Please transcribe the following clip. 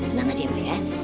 tenang aja imri ya